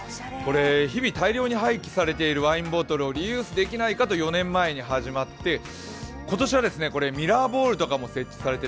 日々、大量に廃棄されているワインボトルをリユースできないかと４年前に始まって、今年はミラーボールとかも設置されて